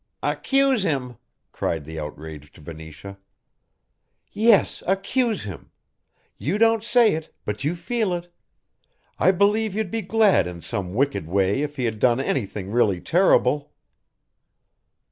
"Accuse him!" cried the outraged Venetia. "Yes, accuse him; you don't say it, but you feel it. I believe you'd be glad in some wicked way if he had done anything really terrible."